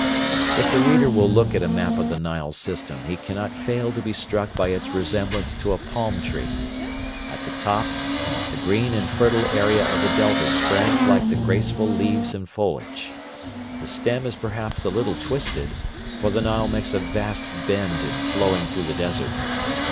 If the reader will look at a map of the Nile system, he cannot fail to be struck by its resemblance to a palm tree. At the top the green and fertile area of the Delta spreads like the graceful leaves and foliage. The stem is perhaps a little twisted, for the Nile makes a vast bend in flowing through the desert.